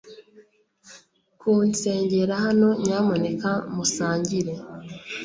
Kunsengera hano Nyamuneka musangire